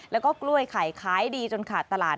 แล้วก็กล้วยไข่ขายดีจนขาดตลาด